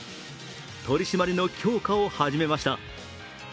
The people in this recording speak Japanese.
取り締まりの強化を始めました。